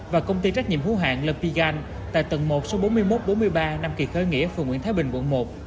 và công ty trách nhiệm hữu hạng lepigan tại tầng một số bốn mươi một bốn mươi ba năm kỳ khởi nghĩa phường nguyễn thái bình quận một